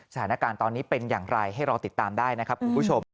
สถานการณ์ตอนนี้เป็นอย่างไรให้รอติดตามได้นะครับคุณผู้ชม